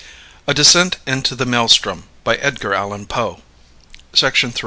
A Descent Into the Maelström. BY EDGAR ALLAN POE.